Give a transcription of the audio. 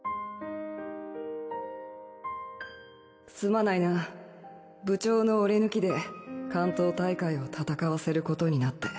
すまないな部長の俺抜きで関東大会を戦わせることになって。